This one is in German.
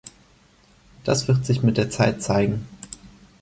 Das wird sich mit der Zeit zeigen.